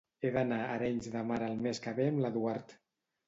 He d'anar a Arenys de Mar el mes que ve amb l'Eduard?